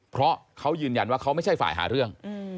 เพราะเขายืนยันว่าเขาไม่ใช่ฝ่ายหาเรื่อง